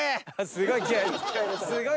すごい気合い。